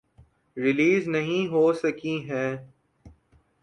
Release نہیں ہوسکی ہیں۔